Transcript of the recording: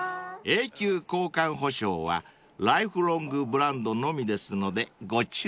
［永久交換保証はＬＩＦＥＬＯＮＧブランドのみですのでご注意を］